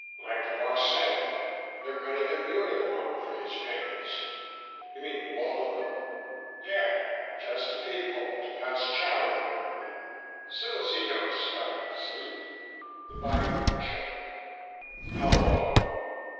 "Like the Boss said: they're gonna immure the bum for his pains." "You mean wall him up?" "Yeah. Just a peep hole to pass chow in every day ... so's he don't starve, see?" The bodyguard chuckled. "How long